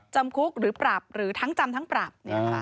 จำคุกหรือปรับหรือทั้งจำทั้งปรับ